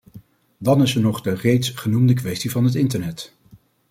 Dan is er nog de reeds genoemde kwestie van het internet.